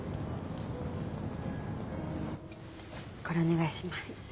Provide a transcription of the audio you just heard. これお願いします。